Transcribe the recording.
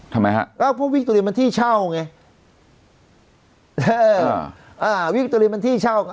ทำไมฮะเพราะวิคโตเรียมันที่เช่าไงอ่าวิคโตเรียมันที่เช่า